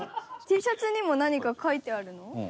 Ｔシャツにも何か書いてあるの？